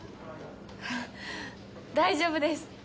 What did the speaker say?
大丈夫です。